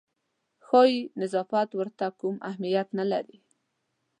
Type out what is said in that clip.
ښایي نظافت ورته کوم اهمیت نه لري.